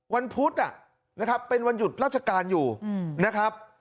พุธนะครับเป็นวันหยุดราชการอยู่นะครับ